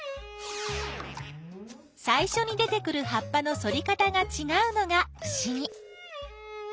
さいしょに出てくる葉っぱの反り方がちがうのがふしぎ。